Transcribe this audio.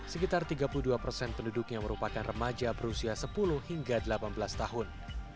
sekitar tiga puluh dua persen penduduknya merupakan remaja berusia sepuluh hingga delapan belas tahun